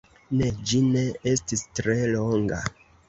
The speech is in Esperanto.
Ne, ĝi ne estis tre longa.